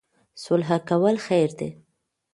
سوله کول خیر دی